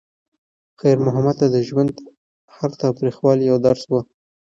خیر محمد ته د ژوند هر تریخوالی یو درس و.